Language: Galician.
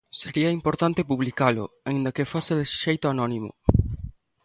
Sería importante publicalo, aínda que fose de xeito anónimo.